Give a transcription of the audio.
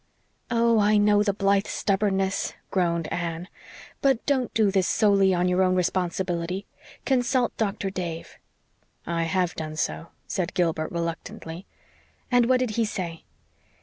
"Oh, I know the Blythe stubbornness," groaned Anne. "But don't do this solely on your own responsibility. Consult Doctor Dave." "I HAVE done so," said Gilbert reluctantly. "And what did he say?"